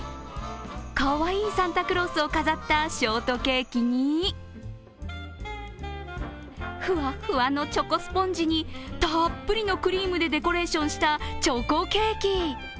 かわいいサンタクロースを飾ったショートケーキにふわっふわのチョコスポンジにたっぷりのクリームでデコレーションしたチョコケーキ。